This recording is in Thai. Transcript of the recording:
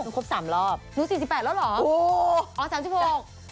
หนูครบ๓รอบหนู๔๘แล้วเหรอ